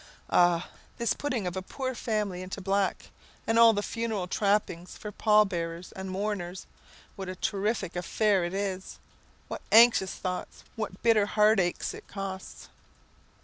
Ah, this putting of a poor family into black, and all the funeral trappings for pallbearers and mourners, what a terrible affair it is! what anxious thoughts! what bitter heartaches it costs!